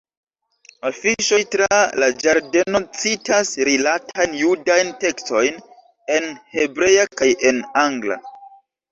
Afiŝoj tra la ĝardeno citas rilatajn judajn tekstojn en hebrea kaj en angla.